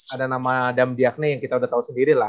ada nama dam diagne yang kita udah tahu sendiri lah